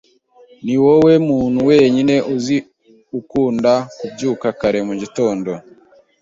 Niwowe muntu wenyine uzi ukunda kubyuka kare mu gitondo.